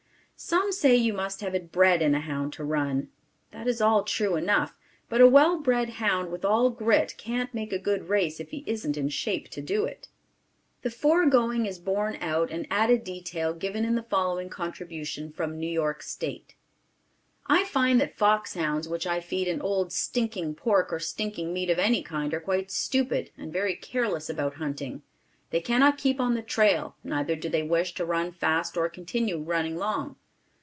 Some say you must have it bred in a hound to run. That is all true enough, but a well bred hound with all grit can't make a good race if he isn't in shape to do it. The foregoing is borne out and added detail given in the following contribution from New York State: I find that fox hounds which I feed on old stinking pork or stinking meat of any kind are quite stupid and very careless about hunting. They cannot keep on the trail, neither do they wish to run fast or continue running long.